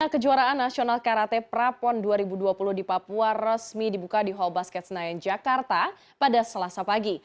kejuaraan nasional karate prapon dua ribu dua puluh di papua resmi dibuka di hall basket senayan jakarta pada selasa pagi